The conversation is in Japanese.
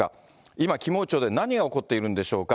今、キム王朝で何が起こっているんでしょうか。